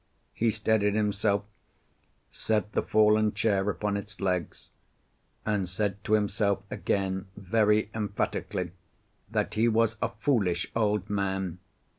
He steadied himself, set the fallen chair upon its legs, and said to himself again very emphatically that he was a foolish old man.